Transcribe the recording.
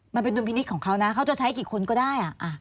มันเป็นดุลพินิษฐ์ของเขานะเขาจะใช้กี่คนก็ได้